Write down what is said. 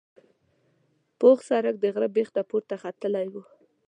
پوخ سړک د غره بیخ ته پورته ختلی و.